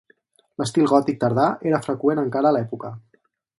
L'estil gòtic tardà era freqüent encara a l'època.